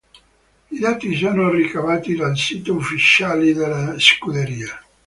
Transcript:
I dati sono ricavati dal sito ufficiale della scuderia.